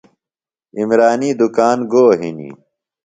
عمرانی دُکان گو ہِنیۡ ؟